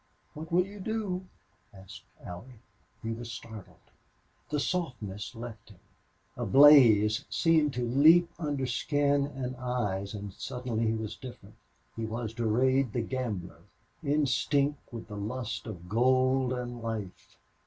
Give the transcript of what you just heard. "What will you do?" asked Allie. He was startled. The softness left him. A blaze seemed to leap under skin and eyes, and suddenly he was different he was Durade the gambler, instinct with the lust of gold and life.